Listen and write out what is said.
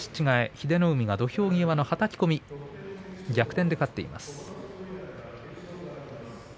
英乃海が土俵際のはたき込み、逆転で勝っています。